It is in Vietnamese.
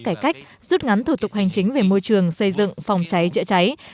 cải cách rút ngắn thủ tục hành chính về môi trường xây dựng phòng cháy chữa cháy